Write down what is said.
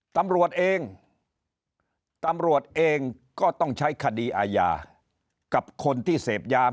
ตำรวจเองก็ต้องใช้คดีอาญากับคนที่เสพยาบูรณ์